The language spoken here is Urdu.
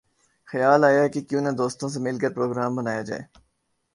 خیال آیا کہ کیوں نہ دوستوں سے مل کر پروگرام بنایا جائے